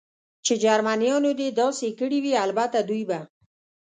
چې جرمنیانو دې داسې کړي وي، البته دوی به.